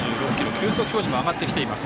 球速表示も上がってきています。